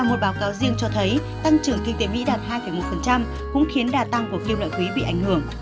một báo cáo riêng cho thấy tăng trưởng kinh tế mỹ đạt hai một cũng khiến đà tăng của kim loại quý bị ảnh hưởng